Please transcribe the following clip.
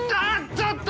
ちょっと。